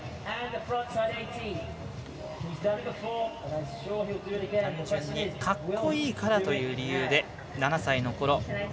単純に格好いいからという理由で７歳のころ